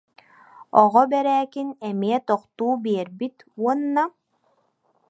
Оҕо Бэрээкин эмиэ тохтуу биэрбит уонна: